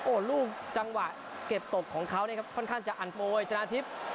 โอ้โหลูกจังหวะเก็บตกของเขาเนี่ยครับค่อนข้างจะอันโปรยชนะทิพย์